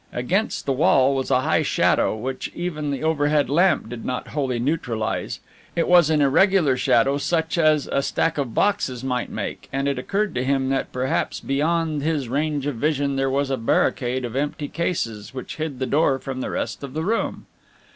Against the wall was a high shadow which even the overhead lamp did not wholly neutralize. It was an irregular shadow such as a stack of boxes might make, and it occurred to him that perhaps beyond his range of vision there was a barricade of empty cases which hid the door from the rest of the room.